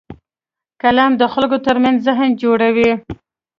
قلم د خلکو ترمنځ ذهن جوړوي